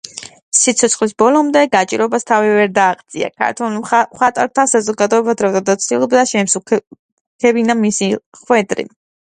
სიცოცხლის ბოლომდე გაჭირვებას თავი ვერ დააღწია; ქართველ მხატვართა საზოგადოება დროდადრო ცდილობდა შეემსუბუქებინა მისი ხვედრი.